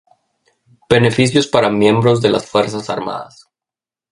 Beneficios para miembros de las Fuerzas Armadas